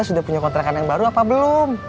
sudah punya kontrakan yang baru apa belum